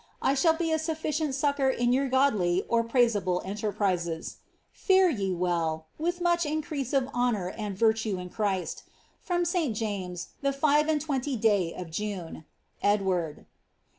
I shall be a ^ifficient succour in your godly or praiseable enterprises. *■ Fare ye well, with much increase of honour aud virtue in ChrisL From St James, the iive and iwenty day of June. *• Edwakd."